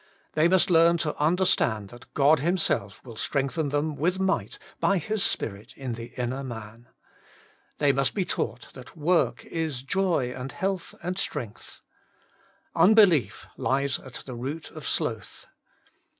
They must learn to understand that God Himself will strengthen them with might by His Spirit in the inner man. They must be taught that w^rk is joy and health and stxength. Unbelief lies at the root of sloth.